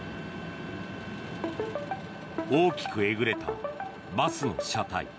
大きくえぐれたバスの車体。